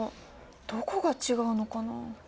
どこが違うのかな？